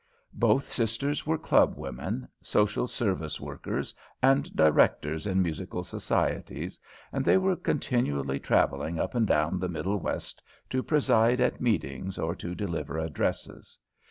Both sisters were club women, social service workers, and directors in musical societies, and they were continually travelling up and down the Middle West to preside at meetings or to deliver addresses.